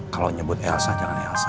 kalau nyebut elsa jangan elsa